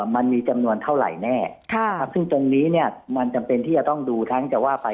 มันมีจำนวนเท่าไหร่แน่นะครับซึ่งตรงนี้เนี่ยมันจำเป็นที่จะต้องดูทั้งจะว่าไป